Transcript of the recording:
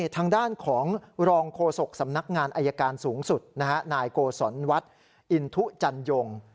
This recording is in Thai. ทางด้านของรองโฆษกสำนักงานอายการสูงสุดนายโกศลวัฒน์อินทุจันยง